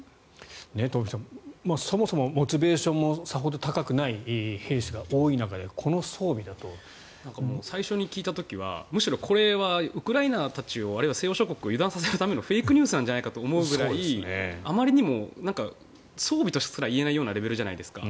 トンフィさん、そもそもモチベーションもさほど高くない兵士が多い中で最初に聞いた時はむしろこれはウクライナたちをあるいは西欧諸国を油断させるためのフェイクニュースなんじゃないかと思うぐらいあまりにも装備とすら言えないレベルじゃないですか。